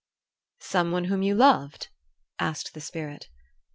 "Someone whom you loved?" asked the Spirit.